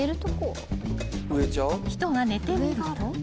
［人が寝てみると］